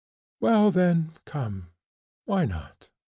"Well, then, come; why not?"